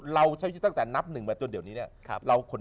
ด้วยการบรรยายนี้ตัวเอง